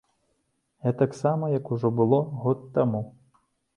Гэтаксама, як ужо было год таму.